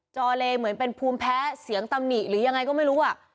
อเลเหมือนเป็นภูมิแพ้เสียงตำหนิหรือยังไงก็ไม่รู้อ่ะ